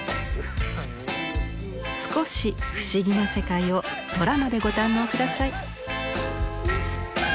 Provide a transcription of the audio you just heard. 少し不思議な世界をドラマでご堪能下さい。